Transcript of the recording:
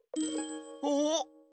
お。